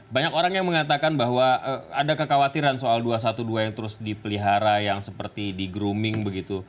banyak orang yang mengatakan bahwa ada kekhawatiran soal dua ratus dua belas yang terus dipelihara yang seperti di grooming begitu